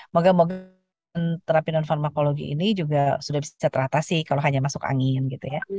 moga moga terapi non farmakologi ini juga sudah bisa teratasi kalau hanya masuk angin gitu ya